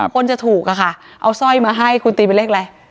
คนจะถูกอะค่ะเอาสร้อยมาให้คุณตีเป็นเลขอะไร